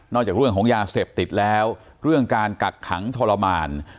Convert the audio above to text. จากเรื่องของยาเสพติดแล้วเรื่องการกักขังทรมาน